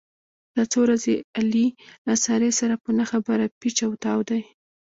دا څو ورځې علي له سارې سره په نه خبره پېچ او تاو دی.